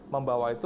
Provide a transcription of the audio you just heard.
membawa itu ke kpu